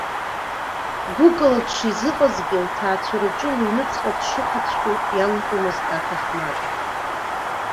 Гәыкала дшизыҟазгьы, лҭаацәараҿы, лыҩныҵҟа дшыҟаҵәҟьоу иалҳәомызт аҭаҳмада.